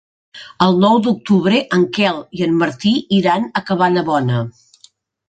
El nou d'octubre en Quel i en Martí iran a Cabanabona.